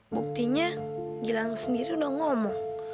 buktinya gilang sendiri udah ngomong